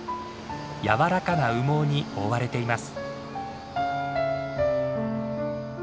柔らかな羽毛に覆われています。